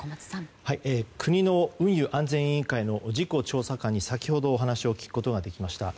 国の運輸安全委員会の事故調査官に先ほどお話を聞くことができました。